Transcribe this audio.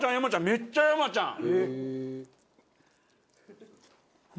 めっちゃ山ちゃん！